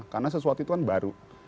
karena sesuatu itu kan baru